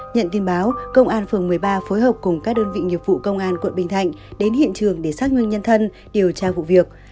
nhận tin báo công an phường một mươi ba phối hợp cùng các đơn vị nghiệp vụ công an quận bình thạnh đến hiện trường để xác minh nhân thân điều tra vụ việc